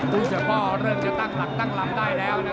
ผู้เศรษฐ์ก็เริ่มจะตั้งหลักตั้งลำได้แล้วนะ